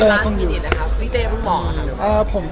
เว้ยเต้พึ่งบอกนะครับ